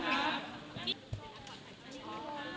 ยั่งออกมาโดยแก่เข้าไป